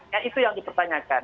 ya itu yang dipertanyakan